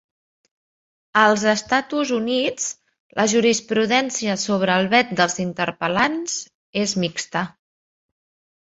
Als Estatus Units, la jurisprudència sobre el vet dels interpel·lants és mixta.